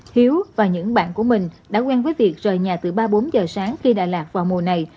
hiếu và những bạn của mình đã quen với việc rời nhà từ ba bốn giờ sáng khi đà lạt vào mùa này